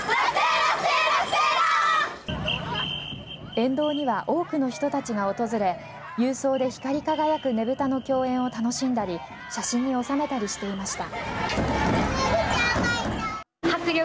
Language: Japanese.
沿道には多くの人たちが訪れ勇壮で光り輝くねぶたの共演を楽しんだり写真に収めたりしていました。